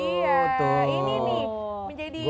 menjadi satu hal yang diapresiasi